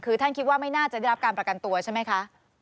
คือท่านคิดว่าไม่น่าจะได้รับการประกันตัวใช่ไหมคะ